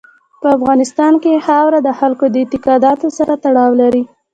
په افغانستان کې خاوره د خلکو د اعتقاداتو سره تړاو لري.